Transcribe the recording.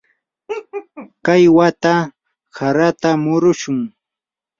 kay wata harata murushun.